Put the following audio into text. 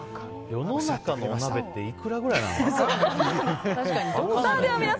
世の中のお鍋っていくらくらいなのかな。